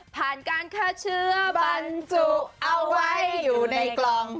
ผ่านการฆ่าเชื้อบรรจุเอาไว้อยู่ในกล่อง